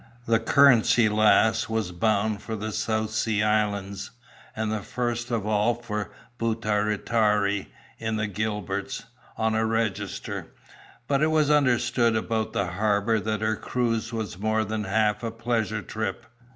The Currency Lass was bound for the South Sea Islands, and first of all for Butaritari in the Gilberts, on a register; but it was understood about the harbour that her cruise was more than half a pleasure trip.